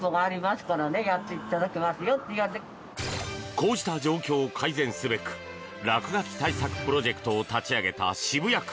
こうした状況を改善すべく落書き対策プロジェクトを立ち上げた渋谷区。